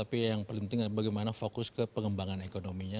tapi yang paling penting bagaimana fokus ke pengembangan ekonominya